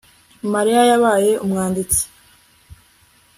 Mariya yabaye umwanditsi